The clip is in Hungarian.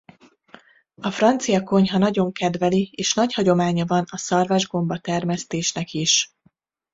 A francia konyha nagyon kedveli és nagy hagyománya van a szarvasgomba termesztésnek is.